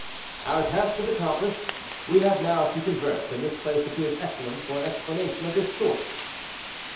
"Our task is accomplished; we have now to converse, and this place appears excellent for an explanation of this sort."